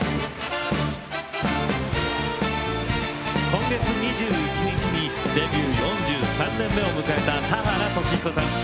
今月２１日にデビュー４３年目を迎えた田原俊彦さん。